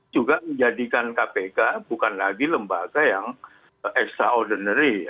juga menjadikan kpk bukan lagi lembaga yang extraordinary